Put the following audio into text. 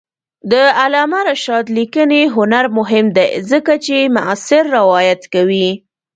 د علامه رشاد لیکنی هنر مهم دی ځکه چې معاصر روایت کوي.